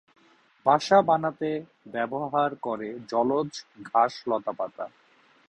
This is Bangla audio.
বাসা বানাতে ব্যবহার করে জলজ ঘাস লতাপাতা।